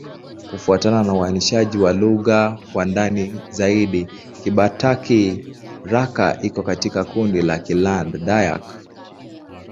Kufuatana na uainishaji wa lugha kwa ndani zaidi, Kibakati'-Rara iko katika kundi la Kiland-Dayak.